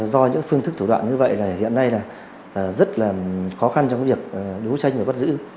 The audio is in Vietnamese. do những phương thức thủ đoạn như vậy là hiện nay là rất là khó khăn trong việc đấu tranh và bắt giữ